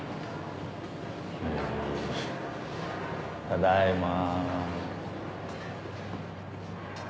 ただいま。